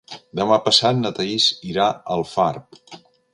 Demà passat na Thaís irà a Alfarb.